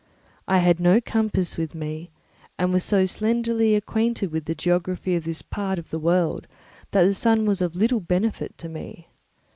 I had no compass with me and was so slenderly acquainted with the geography of this part of the world that the sun was of little benefit to me.